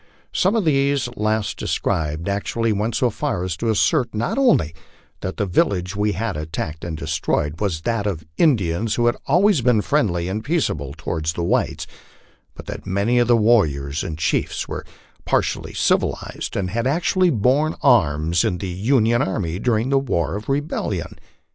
Some of these last described actually went so far as to assert not only that the village we had attacked and destroyed was that of Indians who had always been friendly and peaceable toward the whites, but that many of the warriors and chiefs were partially civilized and had actually borne arms in the Union army during the war of rebellion.